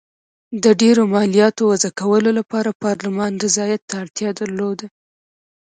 د ډېرو مالیاتو وضعه کولو لپاره پارلمان رضایت ته اړتیا درلوده.